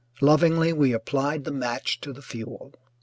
Lovingly we applied the match to the fuel.